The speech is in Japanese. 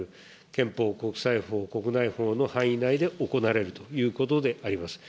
憲法、国際法、国内法の範囲内で、行われるということであります。